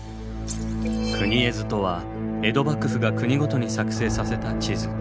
国絵図とは江戸幕府が国ごとに作成させた地図。